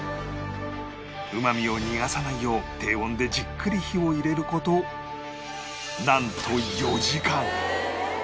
うまみを逃がさないよう低温でじっくり火を入れる事なんと４時間！